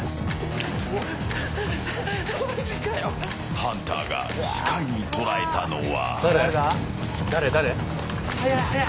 ハンターが視界に捉えたのは。